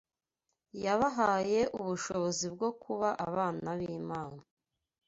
yabahaye ubushobozi bwo kuba abana b’Imana